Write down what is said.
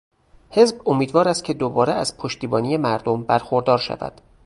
حزب امیدوار است که دوباره از پشتیبانی مردم برخوردار شود.